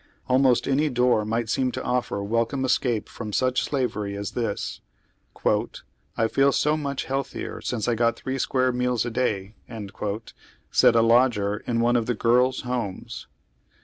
Almost any door might seoiu to offer welcome escape from such slav ery as this, "I feel so mnch healthier since I got three square meals a day," said a lodger in one of the Girls' Homes.